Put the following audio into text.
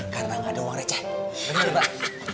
karena gak ada uangnya ceh